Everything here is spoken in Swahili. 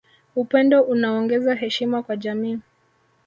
Upendo unaongeza heshima kwa jamii